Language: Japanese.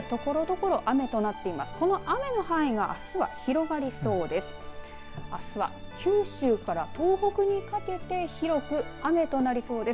この雨の範囲があすは広がりそうです。